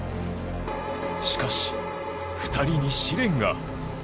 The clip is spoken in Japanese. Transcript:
しかし、２人に試練が。